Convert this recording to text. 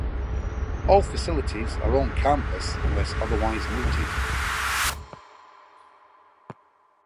All facilities are on-campus unless otherwise noted.